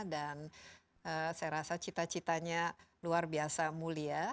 dan saya rasa cita citanya luar biasa mulia